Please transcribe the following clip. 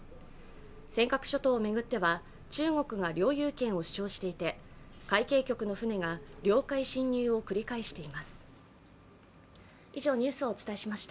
尖閣諸島を巡っては、中国が領有権を主張していて、海警局の船が領海侵入を繰り返しています。